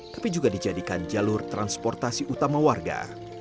tapi juga dijadikan jalur transportasi utama warga